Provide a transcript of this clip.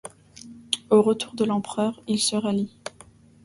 Au retour de l’Empereur, il se rallie.